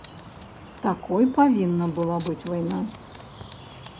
Такой павінна была быць вайна?